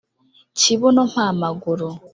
Kibuno mpa amaguru